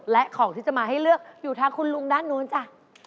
และของที่จะมาให้เลือกอยู่ทางคุณลุงด้านนู้นจ้ะ